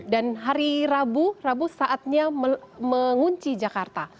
dan hari rabu saatnya mengunci jakarta